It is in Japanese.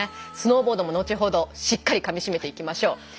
スノーボードも後ほどしっかりかみしめていきましょう。